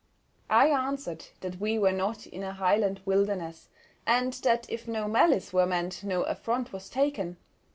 I answered that we were not in a Highland wilderness, and that if no malice were meant no affront was taken.